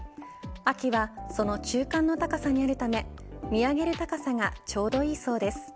秋は、その中間の高さにあるため見上げる高さがちょうどいいそうです。